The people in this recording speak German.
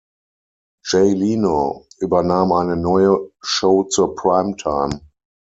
Jay Leno übernahm eine neue Show zur Prime Time.